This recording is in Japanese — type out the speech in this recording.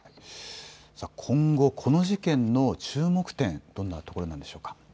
今後、この事件の注目点、どんなところなんでしょうか。